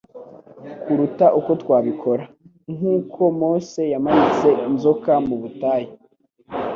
kuruta uko twabikora. «Nk'uko Mose yamanitse inzoka mu butayu,